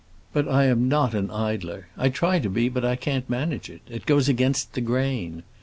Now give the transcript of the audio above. But I am not an idler. I try to be, but I can't manage it; it goes against the grain.